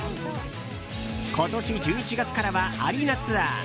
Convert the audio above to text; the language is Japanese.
今年１１月からはアリーナツアー。